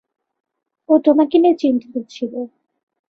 ও তোমাকে নিয়ে চিন্তিত ছিল।